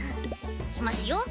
いきますよ。